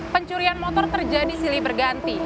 pencurian motor terjadi silih berganti